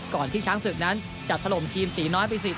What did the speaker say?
ที่ช้างศึกนั้นจะถล่มทีมตีน้อยไป๔๐